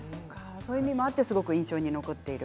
そういう意味もあって印象に残っている。